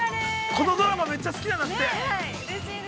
◆このドラマめっちゃ好きなんだって。